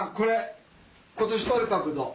今年取れたぶどう。